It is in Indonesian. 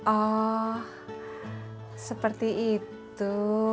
oh seperti itu